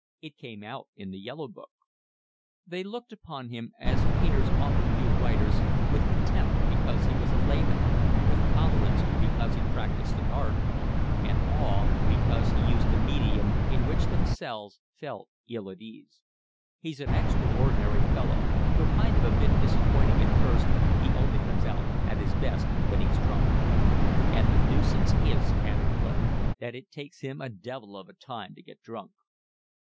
"It came out in The Yellow Book." They looked upon him, as painters often do writers, with contempt because he was a layman, with tolerance because he practised an art, and with awe because he used a medium in which themselves felt ill at ease. "He's an extraordinary fellow. You'll find him a bit disappointing at first, he only comes out at his best when he's drunk." "And the nuisance is," added Clutton, "that it takes him a devil of a time to get drunk."